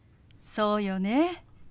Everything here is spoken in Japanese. そうよね。